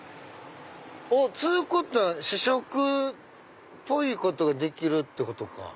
つうことは試食っぽいことができるってことか。